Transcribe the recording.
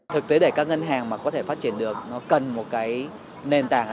thực tế để các ngân hàng mà có thể phát triển được nó cần một cái nền tảng